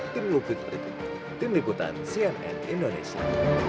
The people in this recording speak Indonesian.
tim lukit berikut tim liputan cnn indonesia